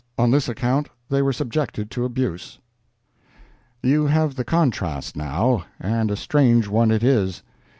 On this account they were subjected to abuse." You have the contrast, now, and a strange one it is.